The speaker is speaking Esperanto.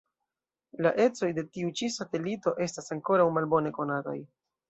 La ecoj de tiu-ĉi satelito estas ankoraŭ malbone konataj.